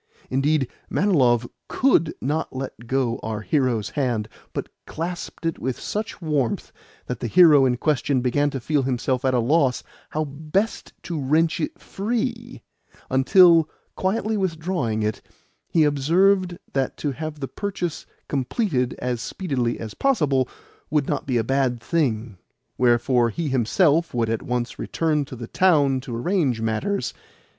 Indeed, Manilov COULD not let go our hero's hand, but clasped it with such warmth that the hero in question began to feel himself at a loss how best to wrench it free: until, quietly withdrawing it, he observed that to have the purchase completed as speedily as possible would not be a bad thing; wherefore he himself would at once return to the town to arrange matters.